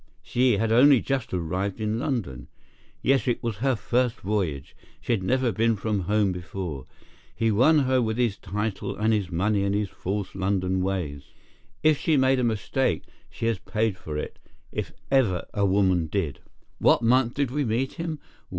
She had only just arrived in London. Yes, it was her first voyage—she had never been from home before. He won her with his title and his money and his false London ways. If she made a mistake she has paid for it, if ever a woman did. What month did we meet him?